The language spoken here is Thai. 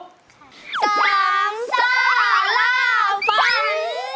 สามซ่าล่าฝัน